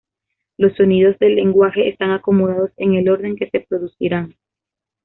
Los sonidos del lenguaje están acomodados en el orden que se producirán.